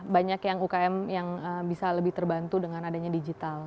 banyak yang ukm yang bisa lebih terbantu dengan adanya digital